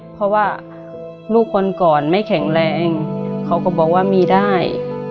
เพราะว่าลูกคนก่อนไม่แข็งแรงเขาก็บอกว่ามีได้